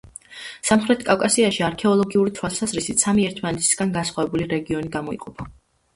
სამხრეთ კავკასიაში, არქეოლოგიური თვალსაზრისით, სამი ერთმანეთისაგან განსხვავებული რეგიონი გამოიყოფა.